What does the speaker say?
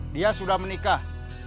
dia sudah menikah